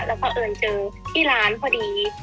แล้วก็เอิญเจอที่ร้านพอดี